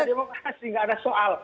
pak jazilul ada demokrasi nggak ada soal